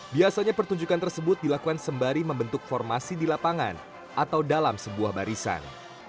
biasanya pertunjukan tersebut dilakukan sembari membentuk formasi di lapangan atau dalam sebuah barisan